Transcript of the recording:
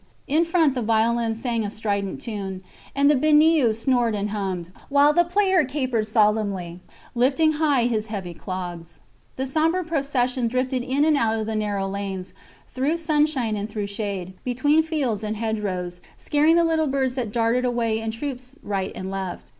In front the violin sang a strident tune, and the biniou snored and hummed, while the player capered solemnly, lifting high his heavy clogs. The sombre procession drifted in and out of the narrow lanes, through sunshine and through shade, between fields and hedgerows, scaring the little birds that darted away in troops right and left.